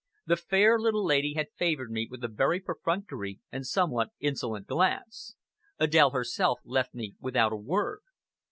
The fair, little lady had favored me with a very perfunctory and somewhat insolent glance; Adèle herself left me without a word.